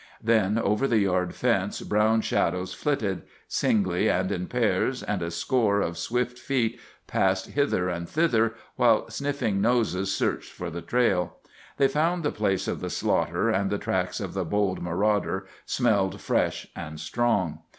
Then over the yard fence brown shadows flitted; singly and in pairs, and a score of swift feet passed hither and thither, while sniffing noses searched for the trail. They found the place of the slaughter, and the tracks of the bold marauder smelled fresh and strong.